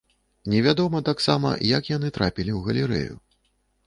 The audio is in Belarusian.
Невядома таксама, як яны трапілі ў галерэю.